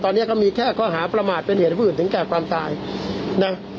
ตอนนี้ก็มีแค่ข้อหาประมาทเป็นเหตุให้ผู้อื่นถึงแก่ความตายนะ